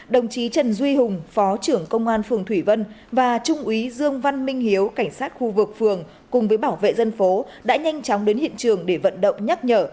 đồng chí trần duy hùng phó trưởng công an phường thủy vân và trung úy dương văn minh hiếu cảnh sát khu vực phường cùng với bảo vệ dân phố đã nhanh chóng đến hiện trường để vận động nhắc nhở